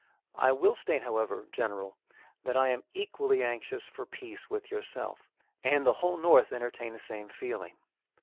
I will state, however, General, that I am equally anxious for peace with yourself; and the whole North entertain the same feeling.